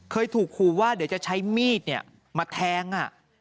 เคยถูกคู่ว่าเดี๋ยวจะใช้มีดเนี่ยมาแท้งอ่ะ